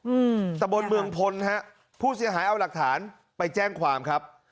อืมตะบนเมืองพลฮะผู้เสียหายเอาหลักฐานไปแจ้งความครับ